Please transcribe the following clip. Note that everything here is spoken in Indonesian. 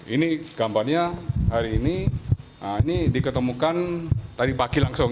ini gambarnya hari ini ini diketemukan tadi pagi langsung